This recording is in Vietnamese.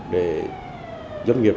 để doanh nghiệp